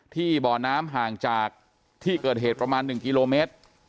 บ่อน้ำห่างจากที่เกิดเหตุประมาณ๑กิโลเมตร